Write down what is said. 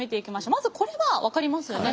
まずこれは分かりますよね。